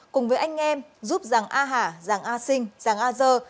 cùng với anh em giúp giàng a hà giàng a sinh giàng a dơ